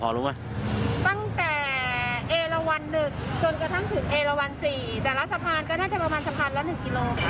ตั้งแต่เอลวัน๑จนกระทั่งถึงเอลวัน๔แต่ละสะพานก็แทบประมาณสะพานละ๑กิโล